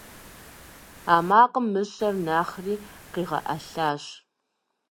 А макъым мыщэр нэхъри къигъэӀэлащ.